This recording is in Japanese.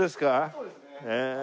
そうですね。